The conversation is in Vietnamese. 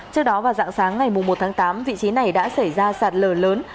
trước đó vào dạng sáng ngày một tháng tám vị trí này đã xảy ra sạt lở lớn